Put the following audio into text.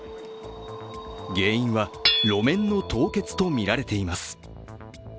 原因は路面の凍結とみられています。